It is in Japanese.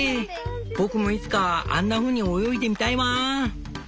僕もいつかあんなふうに泳いでみたいわぁん」。